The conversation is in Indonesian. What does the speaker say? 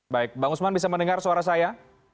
baik bang usman bisa mendengar suara saya